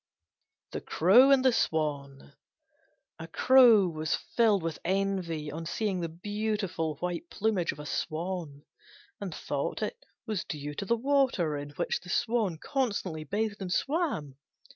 THE CROW AND THE SWAN A Crow was filled with envy on seeing the beautiful white plumage of a Swan, and thought it was due to the water in which the Swan constantly bathed and swam.